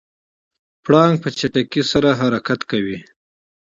پړانګ په چټکۍ سره حرکت کوي.